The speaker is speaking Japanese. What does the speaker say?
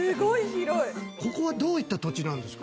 ここはどういった土地なんですか？